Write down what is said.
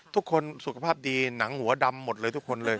ทุกคนสุขภาพดีหนังหัวดำหมดเลยทุกคนเลย